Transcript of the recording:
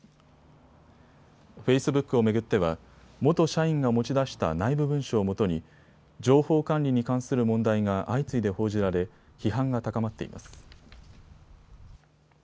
フェイスブックを巡っては元社員が持ち出した内部文書を基に情報管理に関する問題が相次いで報じられ批判が高まっています。